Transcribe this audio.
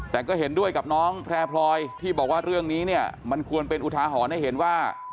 แต่ก็เห็นด้วยกับน้องแพร่พลอยที่บอกว่าเรื่องนี้เนี่ยมันควรเป็นอุทาหรณ์ให้เห็นว่า